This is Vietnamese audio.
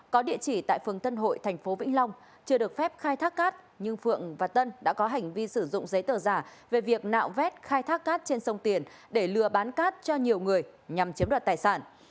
có địa chỉ tại phường tân hội thành phố vĩnh long chưa được phép khai thác cát nhưng phượng và tân đã có hành vi sử dụng giấy tờ giả về việc nạo vét khai thác cát trên sông tiền để lừa bán cát cho nhiều người nhằm chiếm đoạt tài sản